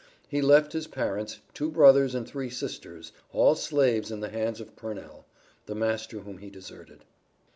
He left his parents, two brothers and three sisters all slaves in the hands of Purnell, the master whom he deserted.